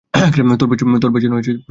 তোর পেছনে ভরে রেখেছিস?